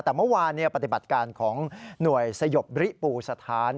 แต่เมื่อวานปฏิบัติการของหน่วยสยบริปูสถาน